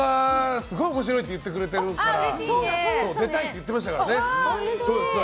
すごい面白いって言ってくれてるから出たいって言ってましたからね。